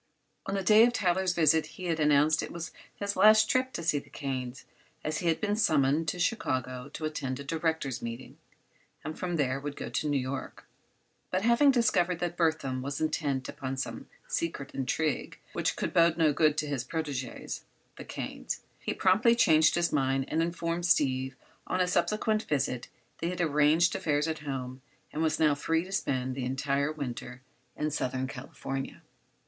On the day of Tyler's visit he had announced it was his last trip to see the Kanes, as he had been summoned to Chicago to attend a directors' meeting and from there would go on to New York. But having discovered that Burthon was intent upon some secret intrigue, which could bode no good to his protégés—the Kanes—he promptly changed his mind and informed Steve on a subsequent visit that he had arranged affairs at home and was now free to spend the entire winter in Southern California.